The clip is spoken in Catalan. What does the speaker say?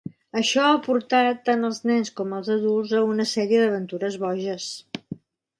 Això ha portat, tant als nens com als adults, a una sèrie d'aventures boges.